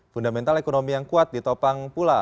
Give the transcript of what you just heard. fundamental ekonomi yang kuat ditopang pula